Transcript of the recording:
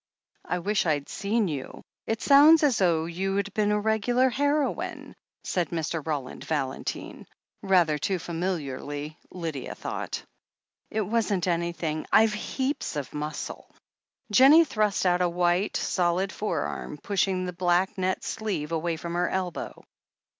"I wish Fd seen you — it sounds as though you'd been a regular heroine," said Mr. Roland Valentine, rather too familiarly, Lydia thought. "It wasn't anything. I've heaps of muscle." Jennie thrust out a white, solid forearm, pushing the black net sleeve away from her elbow.